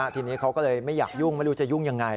ทีนี้เขาก็เลยไม่อยากยุ่งไม่รู้จะยุ่งยังไง